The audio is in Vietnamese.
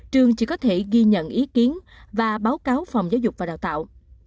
trường chỉ có thể ghi nhận ý kiến và báo cáo phòng giáo dục và đào tạo